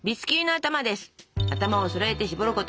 頭をそろえて絞ること！